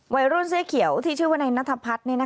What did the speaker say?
ไวรุ่นเสียเขี่ยวที่ชื่อวันไอนัทพัฒน์